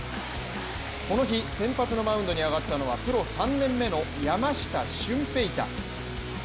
この日先発のマウンドに上がったのはプロ３年目の山下舜平大。